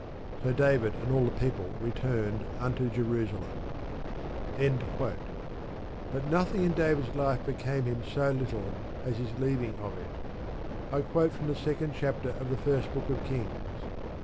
So David and all the people returned unto Jerusalem. But nothing in David's life became him so little as his leaving of it. I quote from the second chapter of the First Book of Kings.